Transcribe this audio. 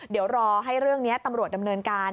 เดี๋ยวรอให้เรื่องนี้ตำรวจดำเนินการ